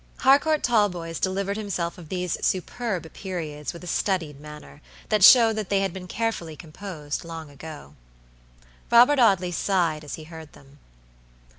Harcourt Talboys delivered himself of these superb periods with a studied manner, that showed they had been carefully composed long ago. Robert Audley sighed as he heard them.